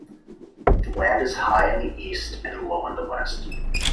The land is high in the east and low in the west.